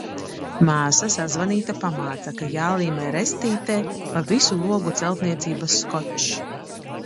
Māsa sazvanīta pamāca, ka jālīmē restītē pa visu logu celtniecības skočs.